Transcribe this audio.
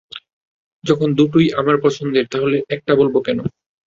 যখন দুটোই আমার পছন্দের তাহলে একটা বলবো কেন।